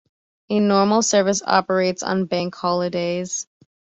A normal service operates on bank holidays.